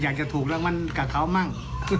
อยากจะถูกรำมันขับเพราะกับเขามั่ง